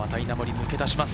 抜け出します。